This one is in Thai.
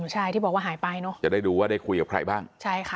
ใช่ที่บอกว่าหายไปเนอะจะได้ดูว่าได้คุยกับใครบ้างใช่ค่ะ